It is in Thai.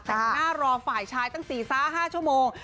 แต่งหน้ารอฝ่ายชายตั้ง๔๕ชั่วโมง